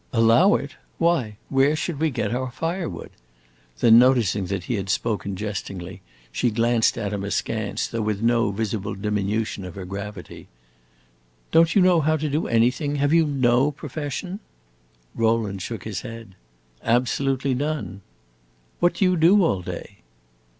"Allow it? Why, where should we get our firewood?" Then, noticing that he had spoken jestingly, she glanced at him askance, though with no visible diminution of her gravity. "Don't you know how to do anything? Have you no profession?" Rowland shook his head. "Absolutely none." "What do you do all day?"